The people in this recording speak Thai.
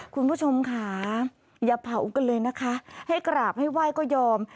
คุณผู้ชมค่ะอย่าเผากันเลยนะคะให้กราบให้ไหว้ก็ยอม